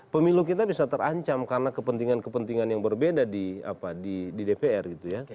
pemilu kita bisa terancam karena kepentingan kepentingan yang berbeda di dpr gitu ya